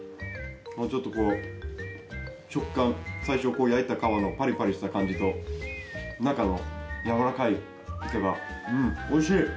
ちょっとこう食感最初焼いた皮のパリパリした感じと中の柔らかいイカがうんおいしい！